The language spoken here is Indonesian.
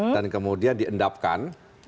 dan kemudian diendapkan